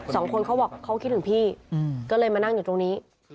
เขาบอกเขาคิดถึงพี่ก็เลยมานั่งอยู่ตรงนี้